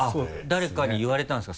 誰かに言われたんですか？